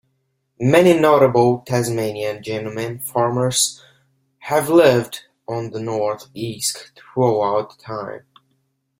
Many notable Tasmanian gentlemen farmers have lived on the North Esk throughout time.